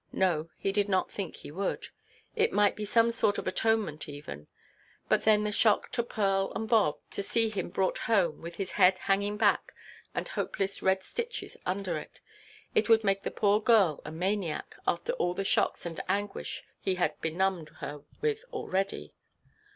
No, he did not think He would. It might be some sort of atonement even. But then the shock to Pearl and Bob, to see him brought home with his head hanging back, and hopeless red stitches under it. It would make the poor girl a maniac, after all the shocks and anguish he had benumbed her with already.